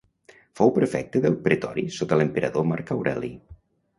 Fou prefecte del pretori sota l'emperador Marc Aureli.